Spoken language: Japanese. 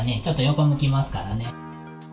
ちょっと横向きますからね。